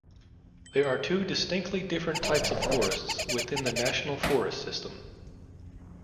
There are two distinctly different types of forests within the National Forest system.